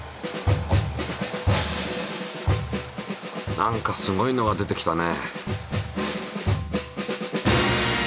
何かすごいのが出てきたね。